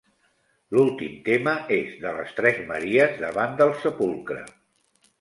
L'últim tema és de les tres Maries davant del sepulcre.